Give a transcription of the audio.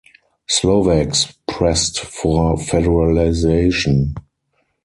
Slovaks pressed for federalization.